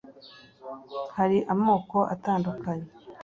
hari amoko atandukanye